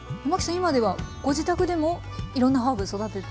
今ではご自宅でもいろんなハーブ育てて？